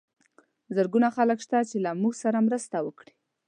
زرګونه خلک شته چې له موږ سره مرسته کوي.